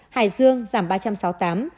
hải dương giảm ba trăm sáu mươi tám